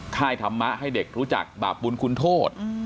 ค่ายธรรมะให้เด็กรู้จักบาปบุญคุณโทษ